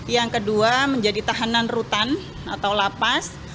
yang kedua menjadi tahanan rutan atau lapas